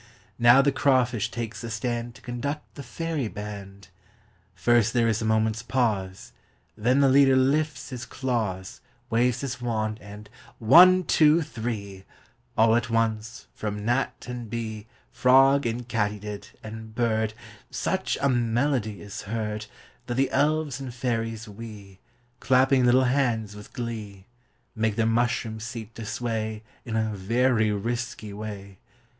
Now the crawfish takes the stand To conduct the fairy band. First there is a momentâs pause, Then the leader lifts his claws, Waves his wand, and one, two, three! All at once, from gnat and bee, Frog, and katydid, and bird Such a melody is heard That the elves and fairies wee, Clapping little hands with glee, Make their mushroom seat to sway In a very risky way.